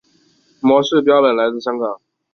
模式标本来自香港。